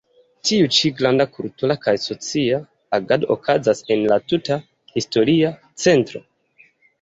Tiu ĉi granda kultura kaj socia agado okazas en la tuta historia centro.